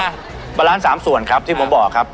กริมบิราณ๓ส่วนครับที่ผมบอกครับ